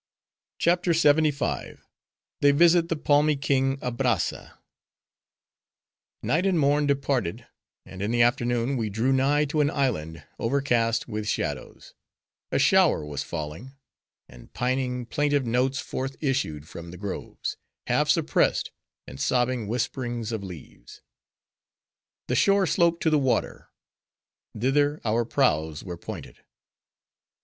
CHAPTER LXXV. They Visit The Palmy King Abrazza Night and morn departed; and in the afternoon, we drew nigh to an island, overcast with shadows; a shower was falling; and pining, plaintive notes forth issued from the groves: half suppressed, and sobbing whisperings of leaves. The shore sloped to the water; thither our prows were pointed.